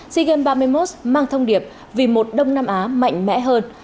sea games ba mươi một mang thông điệp vì một đông nam á mạnh mẽ hơn